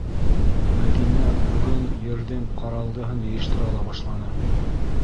Мәҙинә урын-ерҙең ҡаралдыһын йыйыштыра ла башланы: